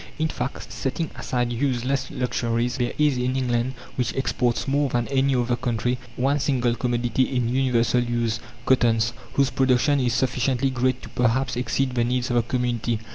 In fact, setting aside useless luxuries, there is in England, which exports more than any other country, one single commodity in universal use cottons whose production is sufficiently great to perhaps exceed the needs of the community.